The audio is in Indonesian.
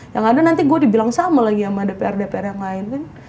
yang ada nanti gue dibilang sama lagi sama dpr dpr yang lain kan